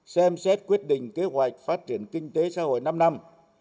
xem xét quyết định kế hoạch phát triển kinh tế xã hội năm năm